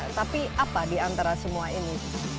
tapi apa di antara semua ini